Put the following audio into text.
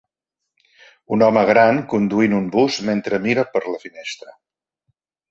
Un home gran conduint un bus mentre mira per la finestra.